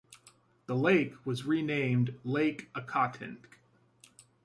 The lake was renamed Lake Accotink.